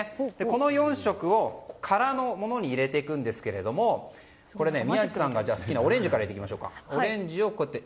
この４色を空のものに入れていくんですが宮司さんが好きなオレンジから入れていきましょうか。